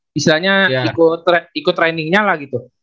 misalnya ikut trainingnya lah gitu